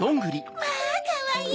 まぁかわいい！